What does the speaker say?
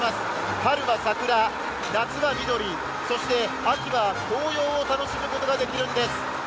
春は桜、夏は緑、そして秋は紅葉を楽しむことができるんです。